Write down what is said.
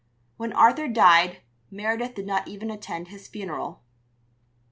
When Arthur died, Meredith did not even attend his funeral.